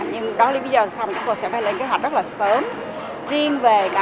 nhưng đó đến bây giờ xong chúng tôi sẽ phải lên kế hoạch rất là sớm